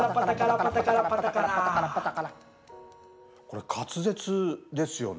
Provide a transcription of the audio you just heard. これ滑舌ですよね。